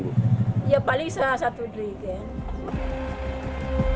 ya paling salah satu drigen